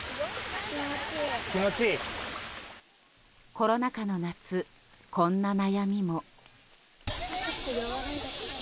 コロナ禍の夏、こんな悩みも。